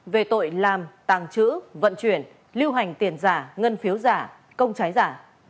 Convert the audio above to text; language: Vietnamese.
về tội làm tàng trữ vận chuyển lưu hành tiền giả ngân phiếu giả công trái giả